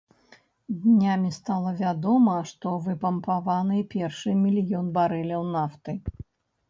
Днямі стала вядома, што выпампаваны першы мільён барэляў нафты.